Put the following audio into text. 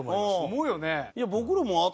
思うよね。